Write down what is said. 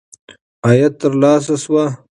عاید ترلاسه شو.